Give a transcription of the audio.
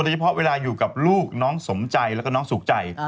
เฉพาะเวลาอยู่กับลูกน้องสมใจแล้วก็น้องสุขใจ